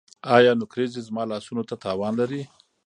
ایا نکریزې زما لاسونو ته تاوان لري؟